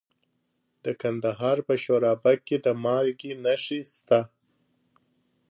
د کندهار په شورابک کې د مالګې نښې شته.